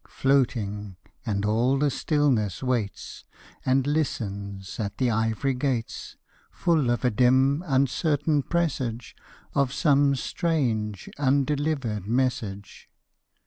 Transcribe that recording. Floating and all the stillness waits And listens at the ivory gates, Full of a dim uncertain presage Of some strange, undelivered message.